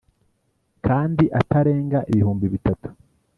Kandi atarenga ibihumbi bitatu